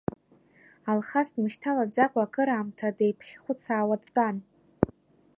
Алхас дмышьҭалаӡакәа, акыраамҭагьы деиԥхьхәыцаауа дтәан.